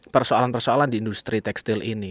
persoalan persoalan di industri tekstil ini